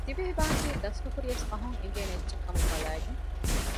ދިވެހިބަހަކީ ދަސްނުކުރިޔަސް ފަހުން އެނގޭނެ އެއްޗެއްކަމަށް ބަލައިގެން